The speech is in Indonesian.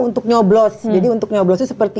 untuk nyoblos jadi untuk nyoblos itu seperti